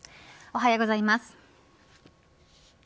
おはようございます。